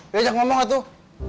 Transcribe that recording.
diajak ngomong gak tuh